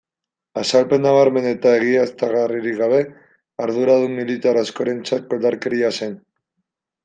Azalpen nabarmen eta egiaztagarririk gabe, arduradun militar askorentzat koldarkeria zen.